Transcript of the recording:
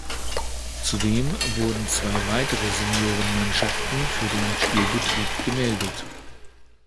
Zudem wurden zwei weitere Seniorenmannschaften für den Spielbetrieb gemeldet.